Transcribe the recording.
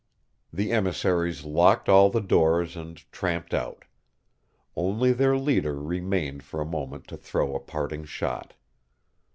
The emissaries locked all the doors and tramped out. Only their leader remained for a moment to throw a parting shot.